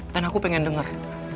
dan aku pengen denger